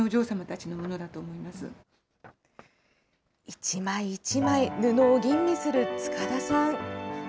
一枚一枚、布を吟味する塚田さん。